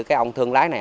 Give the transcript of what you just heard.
cái ông thương lái này